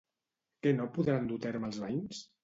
Què no podran dur a terme els veïns?